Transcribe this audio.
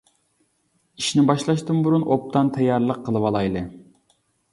ئىشنى باشلاشتىن بۇرۇن ئوبدان تەييارلىق قىلىۋالايلى.